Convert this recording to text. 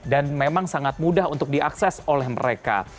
dan memang sangat mudah untuk diakses oleh mereka